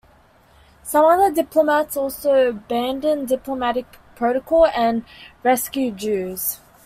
Some other diplomats also abandoned diplomatic protocol and rescued Jews.